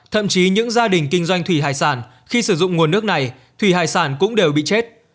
thậm chí những gia đình kinh doanh thủy hải sản khi sử dụng nguồn nước này thủy hải sản cũng đều bị chết